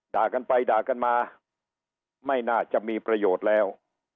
ด่ากันไปด่ากันมาไม่น่าจะมีประโยชน์แล้ว